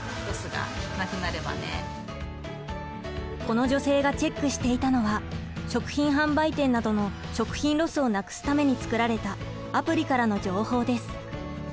この女性がチェックしていたのは食品販売店などの食品ロスをなくすためにつくられたアプリからの情報です。